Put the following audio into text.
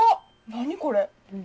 何これ。